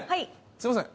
すみません。